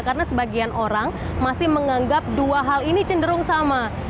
karena sebagian orang masih menganggap dua hal ini cenderung sama